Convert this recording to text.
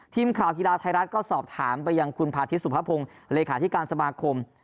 ทีมข่าวกีฬาไทยรัฐก็สอบถามไปยังคุณพาทิตสุภพงศ์เลขาธิการสมาคม